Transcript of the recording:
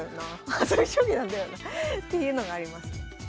はさみ将棋なんだよなっていうのがあります。